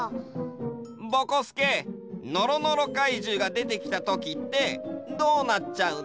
ぼこすけのろのろかいじゅうがでてきたときってどうなっちゃうの？